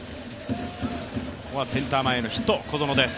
ここはセンター前へのヒット小園です。